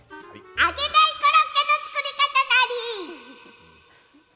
揚げないコロッケの作り方ナリ！